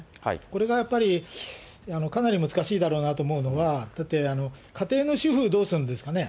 これがやっぱりかなり難しいだろうなと思うのが、だって、家庭の主婦、どうするんですかね。